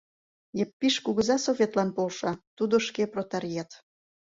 Епиш кугыза Советлан полша, тудо шке протарйет.